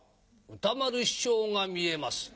歌丸師匠が見えます。